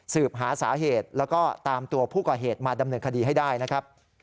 หาสาเหตุแล้วก็ตามตัวผู้ก่อเหตุมาดำเนินคดีให้ได้นะครับ